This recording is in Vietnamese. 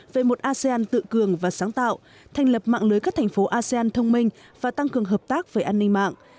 về một asean tự cường và sáng tạo thành lập mạng lưới các thành phố asean thông minh và tăng cường hợp tác về an ninh mạng